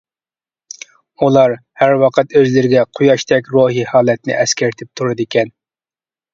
ئۇلار ھەر ۋاقىت ئۆزلىرىگە قۇياشتەك روھى ھالەتنى ئەسكەرتىپ تۇرىدىكەن.